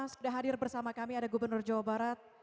sudah hadir bersama kami ada gubernur jawa barat